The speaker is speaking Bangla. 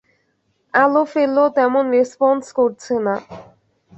আলো ফেললেও তেমন রেসপন্স করছে না।